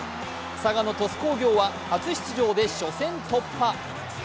佐賀の鳥栖工業は初出場で初戦突破。